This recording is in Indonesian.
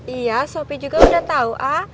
iya sopi juga udah tahu a